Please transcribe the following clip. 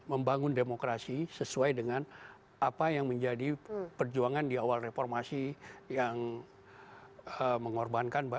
membangun demokrasi sesuai dengan apa yang menjadi perjuangan di awal reformasi yang mengorbankan